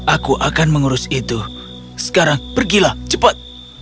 aku akan mengurus itu sekarang pergilah cepat